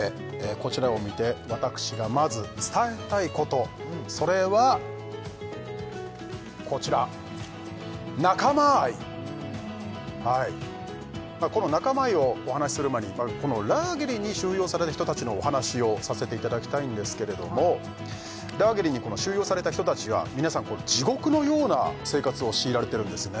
こちらを見て私がまず伝えたいことそれはこちらこの仲間愛をお話しする前にまずこのラーゲリに収容された人達のお話をさせていただきたいんですけれどもラーゲリにこの収容された人達は皆さん地獄のような生活を強いられてるんですね